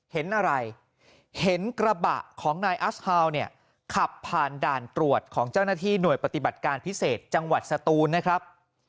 เห็นอะไรเห็นกระบะของนายอัสฮาวเนี่ยขับผ่านด่านตรวจของเจ้าหน้าที่หน่วยปฏิบัติการพิเศษจังหวัดสตูนนะครับ